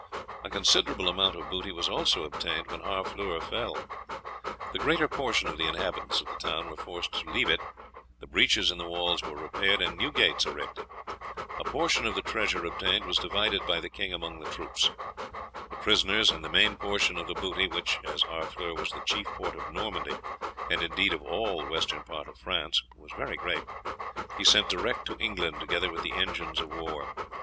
A considerable amount of booty was also obtained when Harfleur fell. The greater portion of the inhabitants of the town were forced to leave it, the breaches in the walls were repaired and new gates erected. A portion of the treasure obtained was divided by the king among the troops. The prisoners and the main portion of the booty which, as Harfleur was the chief port of Normandy, and indeed of all the western part of France, was very great he sent direct to England, together with the engines of war.